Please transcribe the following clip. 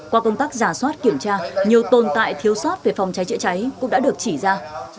qua công tác giả soát kiểm tra nhiều tồn tại thiếu sót về phòng cháy chữa cháy cũng đã được chỉ ra